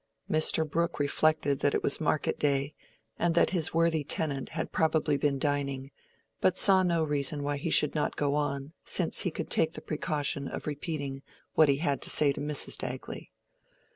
Mr. Brooke reflected that it was market day, and that his worthy tenant had probably been dining, but saw no reason why he should not go on, since he could take the precaution of repeating what he had to say to Mrs. Dagley.